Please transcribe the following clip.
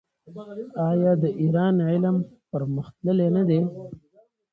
آیا د ایران علم پرمختللی نه دی؟